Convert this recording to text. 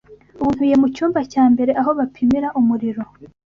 Ubu ntuye mucyumba cya mbere aho bapimira umuriro.